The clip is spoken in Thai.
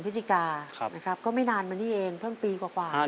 พฤศจิกานะครับก็ไม่นานมานี่เองเพิ่งปีกว่า